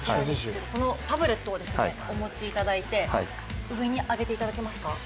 このタブレットをお持ちいただいて上に上げていただけますか。